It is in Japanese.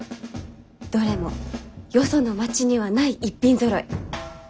どれもよその町にはない逸品ぞろい。